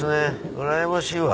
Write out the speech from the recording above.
うらやましいわ。